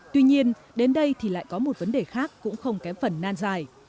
tuy nhiên đến đây thì lại có một vấn đề khác cũng không kém phần nan dài